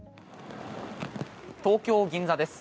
東京・銀座です。